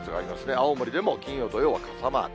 青森でも金曜、土曜は傘マーク。